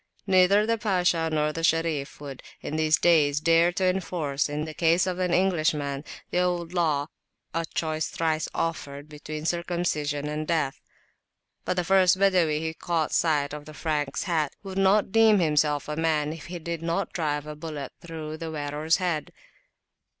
Neither the Pasha nor the Sharif would, in these days, dare to enforce, in the case of an Englishman, the old law, a choice thrice offered between circumcision and death. But the first Badawi who caught sight of the Franks hat would not deem himself a man if he did not drive a bullet through the wearers head.